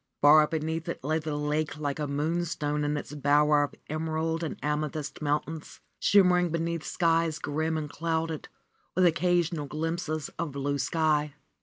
Far beneath it lay the lake like a moonstone in its bower of emerald and amethyst mountains, shimmering beneath skies grim and clouded, with occasional glimpses of blue sky.